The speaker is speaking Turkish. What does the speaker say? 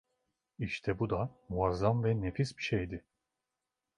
İşte bu da muazzam ve nefis bir şeydi…